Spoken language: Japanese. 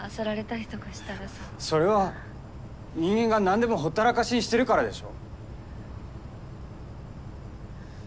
それは人間が何でもほったらかしにしてるからでしょ？